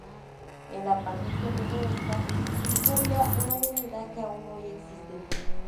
En la parte exterior de esta, discurría una avenida que aún hoy existe.